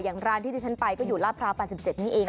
อย่างร้านที่ที่ฉันไปก็อยู่ลาบพระอาวุธปัน๑๗นี้เอง